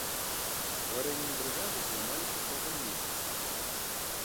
Стварэннем брыгады займаліся цягам месяца.